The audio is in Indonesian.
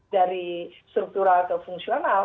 dari struktural ke fungsional